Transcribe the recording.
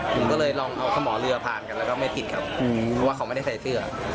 ผมก็เลยลองเอาขมอเรือผ่านกันแล้วก็ไม่ติดครับเพราะว่าเขาไม่ได้ใส่เสื้อ